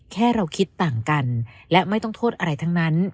แค่เราคิดต่างกันและไม่ต้องโทษอะไรทั้งนั้น